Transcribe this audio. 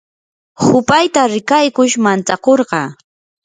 hupayta rikaykush mantsakurqa.